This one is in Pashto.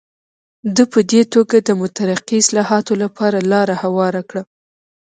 ده په دې توګه د مترقي اصلاحاتو لپاره لاره هواره کړه.